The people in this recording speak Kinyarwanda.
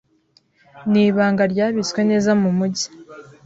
Nibanga ryabitswe neza mumujyi.